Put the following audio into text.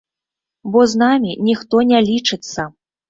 Бо з намі ніхто не лічыцца!